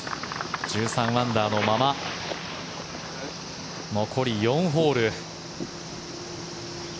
１３アンダーのまま残り４ホール。